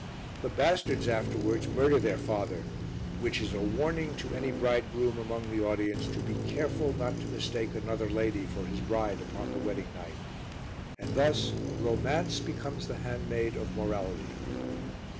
The bastards afterwards murder their father, which is a warning to any bridegroom among the audience to be careful not to mistake another lady for his bride upon the wedding night. And thus Romance becomes the handmaid of Morality.